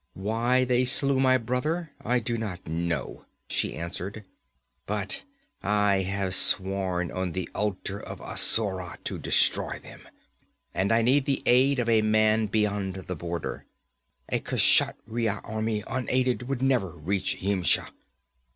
'Why they slew my brother I do not know,' she answered. 'But I have sworn on the altar of Asura to destroy them! And I need the aid of a man beyond the border. A Kshatriya army, unaided, would never reach Yimsha.'